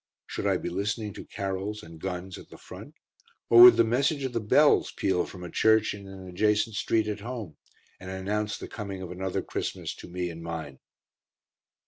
Should I be listening to carols and guns at the Front, or would the message of the bells peal from a church in an adjacent street at home, and announce the coming of another Christmas to me and mine?